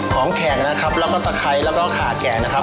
แขกนะครับแล้วก็ตะไคร้แล้วก็ขาแขกนะครับ